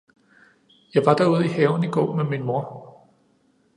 Jeg var der ude i haven i går med min moder!